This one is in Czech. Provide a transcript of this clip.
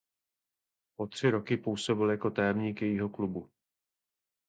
Po tři roky působil jako tajemník jejího klubu.